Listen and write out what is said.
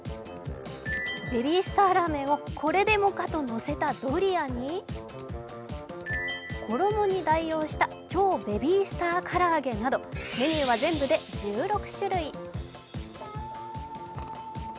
ベビースターラーメンをこれでもかとのせたドリアに、衣に代用した超ベビースターからあげなどメニューは全部で１６種類。